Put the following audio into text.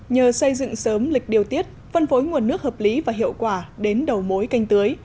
nhờ xây dựng sớm lịch điều tiết phân phối nguồn nước hợp lý và hiệu quả đến đầu mối canh tưới